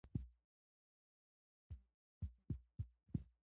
ما ستا په حق کې ډېره بدي کړى.